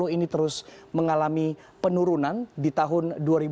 ini terus mengalami penurunan di tahun dua ribu sepuluh